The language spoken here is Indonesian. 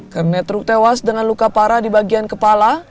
kernet truk tewas dengan luka parah di bagian kepala